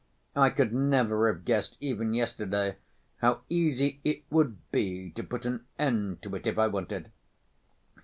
I could never have guessed even yesterday, how easy it would be to put an end to it if I wanted."